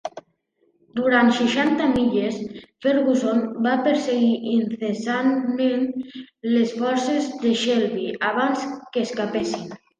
Durant seixanta milles Ferguson va perseguir incessantment les forces de Shelby abans que escapessin.